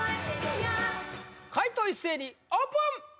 解答一斉にオープン！